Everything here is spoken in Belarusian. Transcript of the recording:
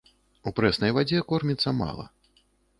У прэснай вадзе корміцца мала.